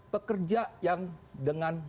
pekerja yang dengan